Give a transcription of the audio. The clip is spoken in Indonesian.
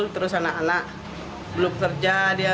terus anak anak belum kerja